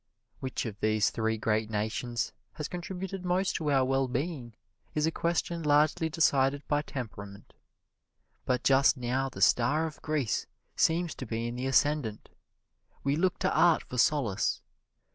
Which of these three great nations has contributed most to our well being is a question largely decided by temperament; but just now the star of Greece seems to be in the ascendant. We look to art for solace.